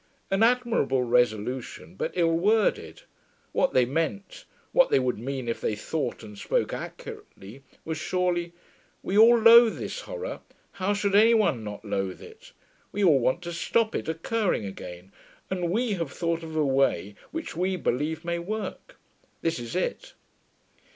An admirable resolution, but ill worded. What they meant, what they would mean if they thought and spoke accurately, was surely, 'We all loathe this horror how should any one not loathe it? We all want to stop it occurring again, and WE have thought of a way which we believe may work. This is it....'